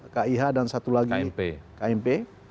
kih dan satu lagi kmp